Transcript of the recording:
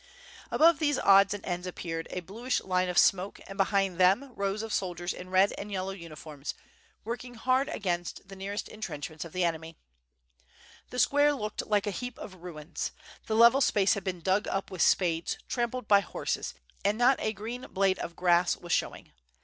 Above these odds and ends appeared a bluish line of smoke and behind them rows of soldiers in red and yellow uniforms^ working hard against the nearest WITH FIRE AND SWORD. 753 entrenchments of the enemy. The square looked like a heap of ruins; the level space had been dug up with spades, trampled by horses, and not a green blade of grass was showing.